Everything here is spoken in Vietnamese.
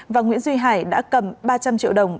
và nguyễn duy hải đã cầm ba trăm linh triệu đồng